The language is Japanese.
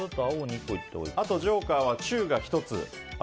あとジョーカーは中が１つ。